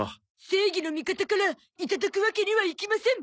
正義の味方からいただくわけにはいきません！